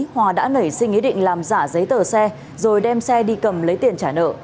hòa đã nảy sinh ý định làm giả giấy tờ xe rồi đem xe đi cầm lấy tiền trả nợ